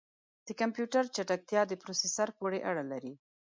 د کمپیوټر چټکتیا د پروسیسر پورې اړه لري.